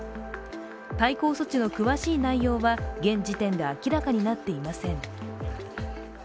対抗措置の詳しい内容は現時点で明らかになっていません。